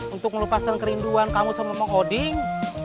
untuk melepaskan kerinduan kamu sama mak oding